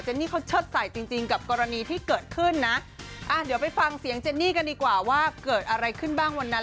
ต้องคุยกันค่ะเดี๋ยวไปฟังเสียงเจนนี่กันดีกว่าว่าเกิดอะไรขึ้นบ้างวันนั้น